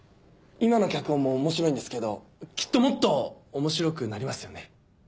今の脚本も面白いんですけどきっともっと面白くなりますよね。